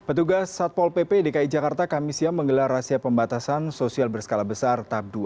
petugas satpol pp dki jakarta kami siang menggelar rahasia pembatasan sosial berskala besar tahap dua